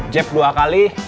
jab dua kali